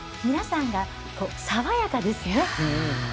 皆さんが、爽やかですね。